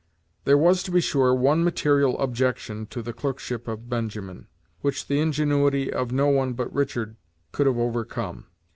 There was, to be sure, one material objection to the clerkship of Benjamin, which the ingenuity of no one but Richard could have overcome.